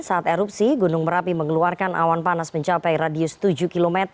saat erupsi gunung merapi mengeluarkan awan panas mencapai radius tujuh km